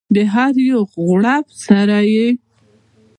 د هر یو غړپ سره یې